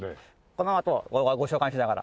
このあとご紹介しながら。